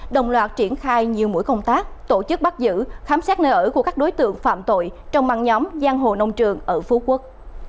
đồng loạt triển khai nhiều mũi công tác tổ chức bắt giữ khám xét nơi ở của các đối tượng phạm tội trong băng nhóm giang hồ nông trường ở phú quốc